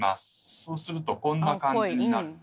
そうするとこんな感じになるんですけど。